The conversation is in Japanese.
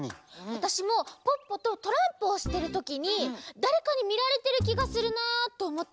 わたしもポッポとトランプをしてるときにだれかにみられてるきがするなとおもってふりむいたら。